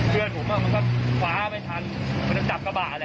เพื่อนผมก็ขวาไม่ทันมันก็จับกระบะแหละ